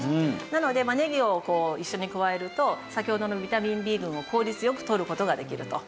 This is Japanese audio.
なのでねぎをこう一緒に加えると先ほどのビタミンＢ群を効率よくとる事ができると。